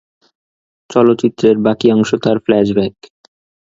চলচ্চিত্রের বাকি অংশ তার ফ্ল্যাশব্যাক।